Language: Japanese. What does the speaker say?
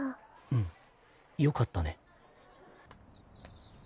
うんよかったね。